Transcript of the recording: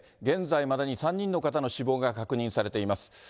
現在までに３人の方の死亡が確認されています。